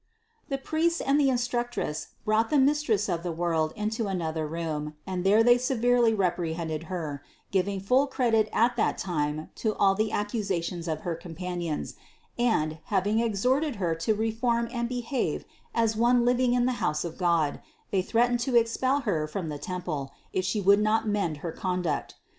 705. The priests and the instructress brought the Mis tress of the world into another room, and there they severely reprehended Her, giving full credit at that time to all the accusations of her companions, and, having THE CONCEPTION 541 exhorted Her to reform and behave as one living in the house of God, they threatened to expel Her from the temple, if She would not mend Her conduct.